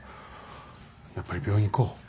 やっぱり病院行こう。